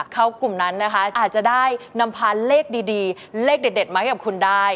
เขากลุ่มนั้นนะคะอาจจะได้นำพาเลขดีเลขเด็ดมาให้กับคุณได้